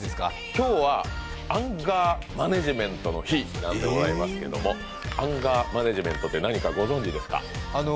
今日はアンガーマネジメントの日なんですけどアンガーマネジメントって何かご存じですか？